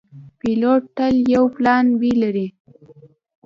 پیلوټ تل یو پلان “B” لري.